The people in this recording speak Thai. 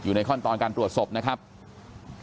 อยู่ดีมาตายแบบเปลือยคาห้องน้ำได้ยังไง